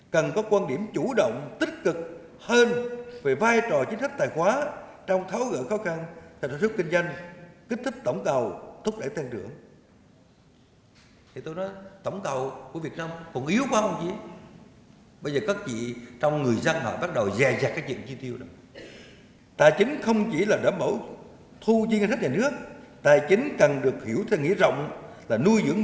cần có quan điểm chủ động tích cực hơn về vai trò chính sách tài khoá